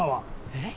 えっ？